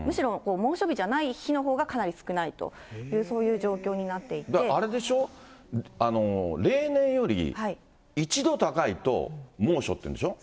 むしろ猛暑日じゃない日のほうがかなり少ないという、そういう状だからあれでしょ、例年より１度高いと、猛暑っていうんでしょ。